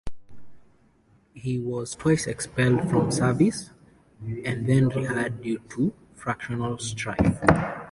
He was twice expelled from service and then re-hired due to factional strife.